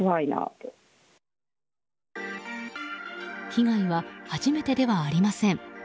被害は初めてではありません。